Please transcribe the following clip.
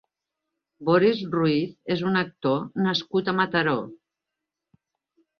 Boris Ruiz és un actor nascut a Mataró.